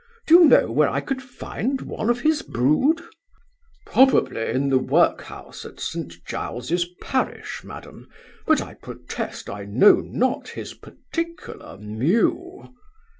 Do you know where I could find one of his brood?' 'Probably in the work house at St Giles's parish, madam; but I protest I know not his particular mew!